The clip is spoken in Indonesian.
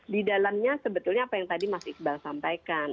di dalamnya sebetulnya apa yang tadi mas iqbal sampaikan